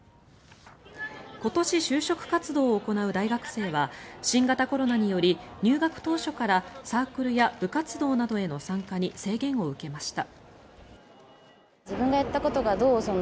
今年、就職活動を行う大学生は新型コロナにより入学当初からサークルや部活動への参加に制限を受けました。